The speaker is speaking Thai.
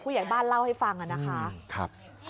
ใหญ่บ้านเล่าให้ฟังนะคะ